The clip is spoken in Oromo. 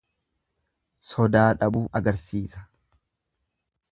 Sodaa dhabuu argisiisa.